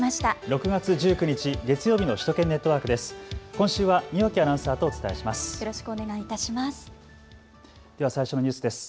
６月１９日月曜日の首都圏ネットワークです。